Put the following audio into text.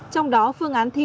trong đó phương án thi